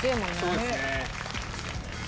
そうですね。